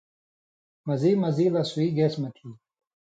مزی مزی لہ سُوئ گیس مہ تھی